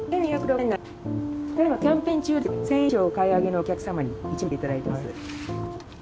ただいまキャンペーン中でして１，０００円以上お買い上げのお客さまに１枚引いていただいてます。